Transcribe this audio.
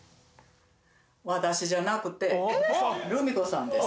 私じゃなくて瑠美子さんです